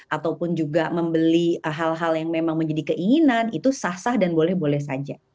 ataupun juga membeli hal hal yang memang menjadi keinginan itu sah sah dan boleh boleh saja